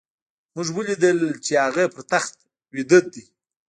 موږ وليدل چې هغه پر تخت ويده دی.